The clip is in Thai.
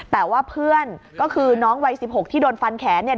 แต่ว่าเพื่อนก็คือน้องวัย๑๖ที่โดนฟันแขนเนี่ย